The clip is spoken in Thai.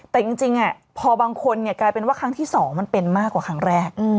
แต่จริงพอบางคนกลายเป็นว่าครั้งที่๒มันเป็นมากกว่าครั้งแรก